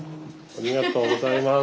ありがとうございます。